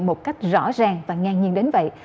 một cách rõ ràng và ngang nhiên đến vậy